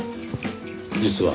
実は。